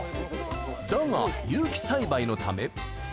だが、有機栽培のため。